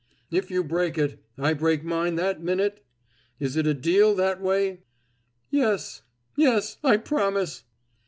"If you break it, I break mine that minute? Is it a deal that way?" "Yes! Yes! I promise!"